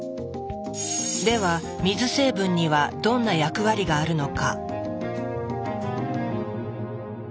では水成分にはどんな役割があるのか？